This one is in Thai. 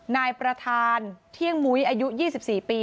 นายประธานเที่ยงมุ้ยอายุ๒๔ปี